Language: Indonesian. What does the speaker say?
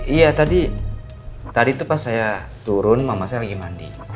iya tadi tadi itu pas saya turun mama saya lagi mandi